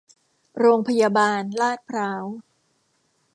โรงพยาบาล ลาดพร้าว